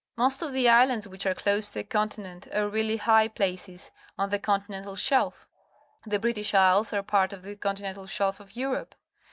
^lost of the islands which are clo.se to a continent are really high places on the continental shel f. The British Lsles are part of the continental shelf of Europe.